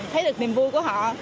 thấy được niềm vui của họ